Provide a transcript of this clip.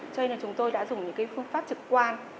cho nên chúng tôi đã dùng những cái phương pháp trực quan